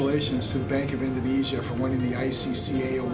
tahniah kepada bank indonesia untuk memenangi pembantuan icca